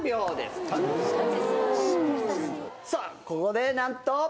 さあここで何と。